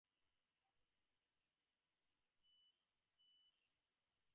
However, the disused cabin still stands and can be seen from passing trains.